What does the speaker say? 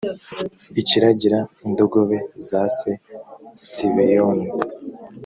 akiragira indogobe za se sibeyoni